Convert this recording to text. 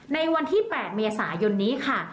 ในวันที่๘เมษายนนี้ค่ะ